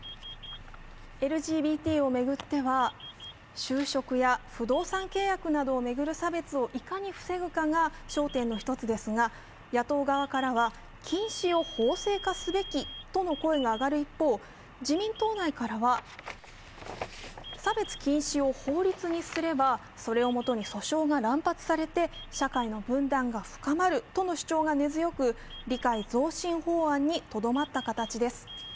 ＬＧＢＴを巡っては就職や不動産契約を巡る差別をいかに防ぐかが焦点の一つですが、野党側からは禁止を法制化すべきとの声が上がる一方、自民党内からは、差別禁止を法律にすれば、それをもとに訴訟が乱発されて社会の分断が深まるとの主張が根強く理解増進法案にとどまった形です。